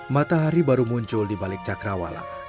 matahari baru muncul di balik cakrawala